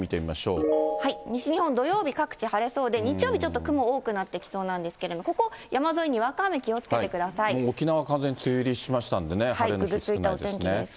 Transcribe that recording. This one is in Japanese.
西日本、土曜日、各地晴れそうで、日曜日、ちょっと雲、多くなってきそうなんですけれども、ここ、山沿い、沖縄、ぐずついたお天気です。